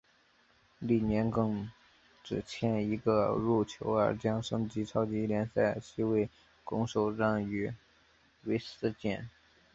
翌年更只欠一个入球而将升级超级联赛席位拱手让予韦斯咸。